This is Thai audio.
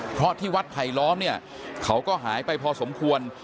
เพราะที่วัดไผลล้อมเนี่ยเขาก็หายไปพอสมควร